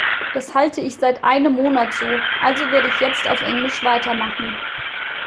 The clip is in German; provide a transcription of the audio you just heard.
Das halte ich seit einem Monat so, also werde ich jetzt auf Englisch weitermachen.